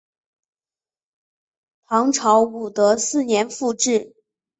唐朝武德四年复置。